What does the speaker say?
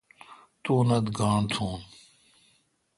تو اونتھ گاݨڈ تھون۔